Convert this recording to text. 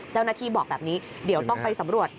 เจ้าหน้าที่บอกแบบนี้เดี๋ยวต้องไปสำรวจ